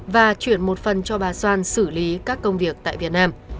và chuyển một phần cho bà xoan xử lý các công việc tại việt nam